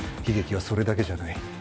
悲劇はそれだけじゃない。